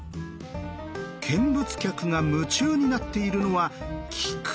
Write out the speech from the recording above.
見物客が夢中になっているのは菊です。